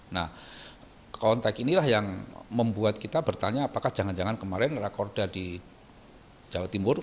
nah konteks inilah yang membuat kita bertanya apakah jangan jangan kemarin rakorda di jawa timur